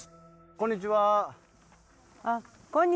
こんにちは。